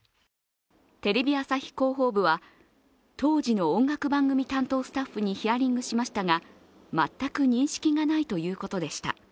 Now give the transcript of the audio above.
テレビ朝日広報部は、当時の音楽番組担当スタッフにヒアリングしましたが全く認識がないということでした。